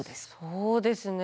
そうですね。